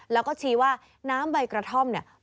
แล้วก็ชี้ว่าน้ำใบกระท่อมเนี่ย